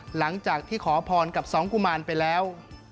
หลังจากที่ขอพรกับสองกุมารไปแล้ว